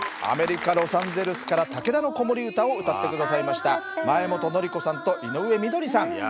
アメリカ・ロサンゼルスから「竹田の子守唄」を歌って下さいました前本紀子さんと井上みどりさん。